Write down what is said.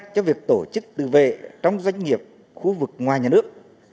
cho việc tổ chức tự vệ trong doanh nghiệp khu vực ngoài nhà nước